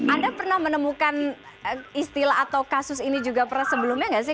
anda pernah menemukan istilah atau kasus ini juga pernah sebelumnya nggak sih